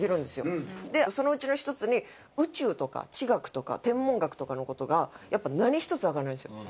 そのうちの１つに宇宙とか地学とか天文学とかの事がやっぱ何ひとつわからないんですよ。